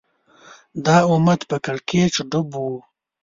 دا امت په کړکېچ ډوب و